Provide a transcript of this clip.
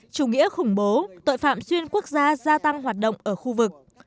chủ nghĩa khủng bố tội phạm xuyên quốc gia gia tăng hoạt động ở khu vực